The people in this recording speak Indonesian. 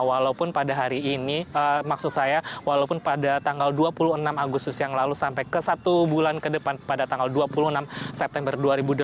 walaupun pada hari ini maksud saya walaupun pada tanggal dua puluh enam agustus yang lalu sampai ke satu bulan ke depan pada tanggal dua puluh enam september dua ribu delapan belas